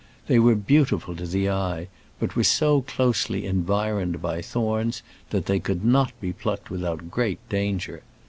They were beautiful to the eye but were so closely environed by thorns that they could not be plucked without great danger.